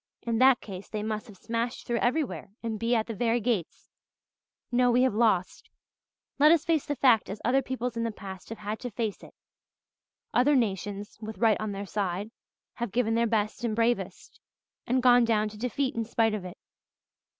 "In that case they must have smashed through everywhere and be at the very gates. No, we have lost let us face the fact as other peoples in the past have had to face it. Other nations, with right on their side, have given their best and bravest and gone down to defeat in spite of it.